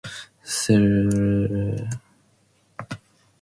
Sierra Leone is one of very few countries with ebola.